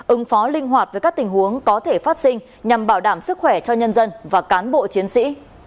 ứng phó linh hoạt với các tình huống có thể phát sinh nhằm bảo đảm sức khỏe cho nhân dân và cán bộ chiến sĩ